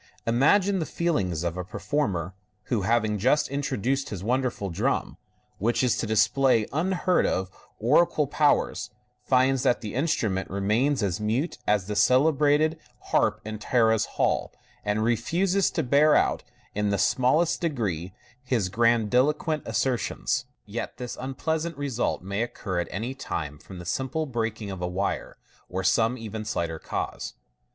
Imagine the feelings of a performer who, having just introduced his wonderful drum, which is to display unheard of oracular powers, finds that the instrument remains as mute as the cele brated harp in Tara's halls, and refuses to bear out, in the smallest degree, his grandiloquent assertions. Yet this unpleasant result may occur at any time from the simple breaking of a wire, or some even slighter cause.